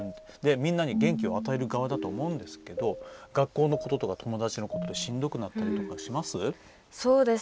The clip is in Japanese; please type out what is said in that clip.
みんなに元気を与える側だと思うんですけど学校とか友達のこととかでしんどくなったりします？